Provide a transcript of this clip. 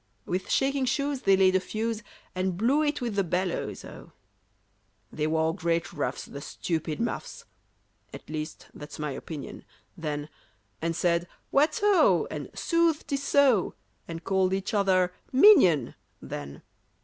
With shaking shoes they laid a fuse, And blew it with the bellows, oh! They wore great ruffs, the stupid muffs, (At least that's my opinion) then; And said "What ho!" and "Sooth, 'tis so!" And called each other "minion!" then.